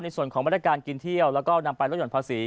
ในส่วนของมาตรการกินเที่ยวแล้วก็นำไปรถหย่อนภาษี